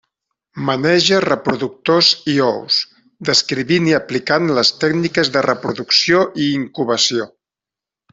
Maneja reproductors i ous, descrivint i aplicant les tècniques de reproducció i incubació.